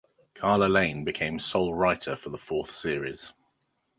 Carla Lane became sole writer for the fourth series.